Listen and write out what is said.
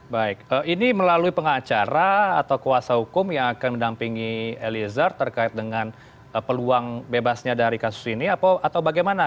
baik ini melalui pengacara atau kuasa hukum yang akan mendampingi eliezer terkait dengan peluang bebasnya dari kasus ini atau bagaimana